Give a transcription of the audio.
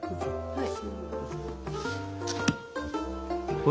はい。